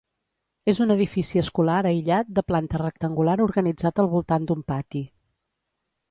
És un edifici escolar aïllat de planta rectangular organitzat al voltant d'un pati.